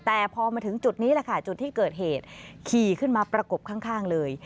แต่พอมาถึงจุดนี้แหละค่ะจุดที่เกิดเหตุขี่ขึ้นมาประกบข้างเลย